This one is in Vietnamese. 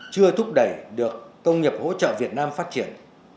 chưa thúc đẩy được công nghiệp hỗ trợ việt nam phát triển